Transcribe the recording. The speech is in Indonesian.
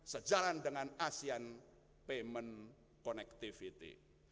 sejalan dengan asean payment connectivity